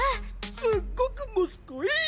すっごくモスコイ！